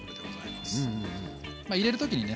まあ入れる時にね